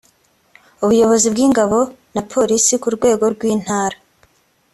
Ubuyobozi bw’Ingabo na Polisi ku rwego rw’Intara